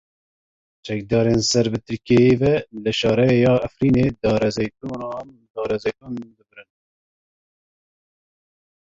Çekdarên ser bi Tirkiyeyê ve li Şerayê ya Efrînê darzeytûn birîn.